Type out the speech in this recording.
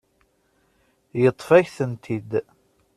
Yeṭṭef-ak-tent-id.